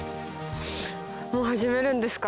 もう始めるんですか？